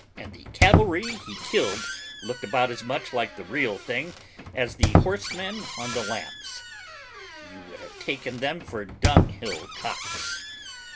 And the cavalry he killed looked about as much like the real thing as the horsemen on the lamps; you would have taken them for dunghill cocks!